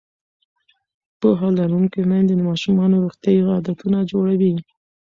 پوهه لرونکې میندې د ماشومانو روغتیایي عادتونه جوړوي.